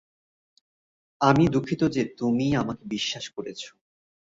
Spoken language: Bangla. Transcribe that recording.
আমিই দুঃখিত যে, তুমিই আমাকে বিশ্বাস করেছো।